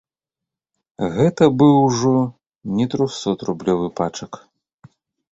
Гэта быў ужо не трохсотрублёвы пачак.